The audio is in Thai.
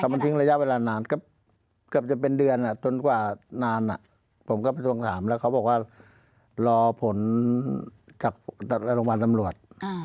มันทิ้งระยะเวลานานก็เกือบจะเป็นเดือนจนกว่านานผมก็ไปทวงถามแล้วเขาบอกว่ารอผลจากโรงพยาบาลตำรวจ